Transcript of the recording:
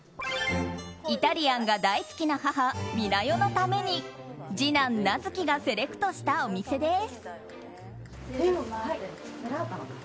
イタリアンが大好きな母・美奈代のために次男・名月がセレクトしたお店です。